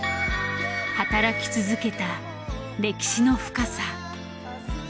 働き続けた歴史の深さ。